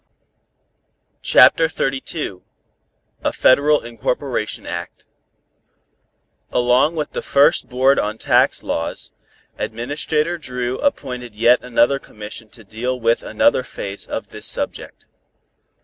CHAPTER XXXII A FEDERAL INCORPORATION ACT Along with the first board on tax laws, Administrator Dru appointed yet another commission to deal with another phase of this subject.